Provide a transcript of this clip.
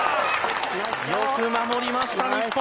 よく守りました、日本！